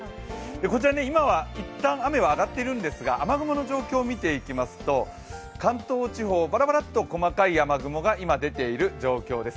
こちら、今は一旦、雨は上がってるんですが雨雲の状況、見ていきますと関東地方、ばらばらっと細かい雨雲が出ている状況です。